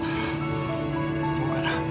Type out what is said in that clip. そうかな？